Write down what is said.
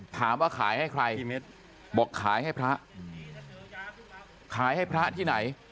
ถามว่าขายให้ใครบอกขายให้พระขายให้พระที่ไหน